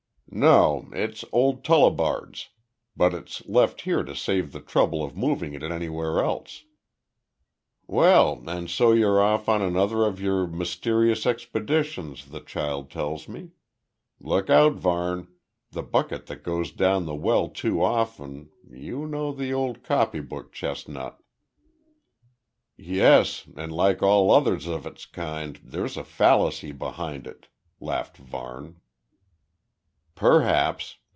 "No. It's old Tullibard's, but it's left here to save the trouble of moving it anywhere else. Well, and so you're off on another of your mysterious expeditions, the child tells me. Look out, Varne. The bucket that goes down the well too often you know the old copybook chestnut." "Yes, and like all others of its kind, there's a fallacy behind it," laughed Varne. "Perhaps.